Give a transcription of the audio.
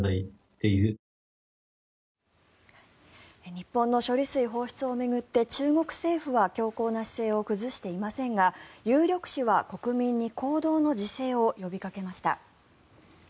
日本の処理水放出を巡って中国政府は強硬な姿勢を崩していませんが有力紙は国民に行動の自制を呼びかけました。